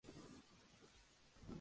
¿vosotros beberíais?